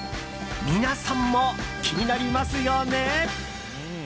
皆さんも気になりますよね？